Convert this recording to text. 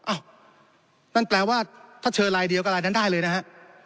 อ้าวนั่นแปลว่าถ้าเชิญลายเดียวกับลายนั้นได้เลยนะฮะ